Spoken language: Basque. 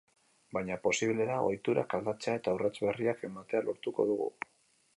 Baina posible da ohiturak aldatzea, eta urrats berriak ematea lortuko dugu.